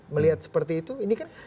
melihat seperti itu ini kan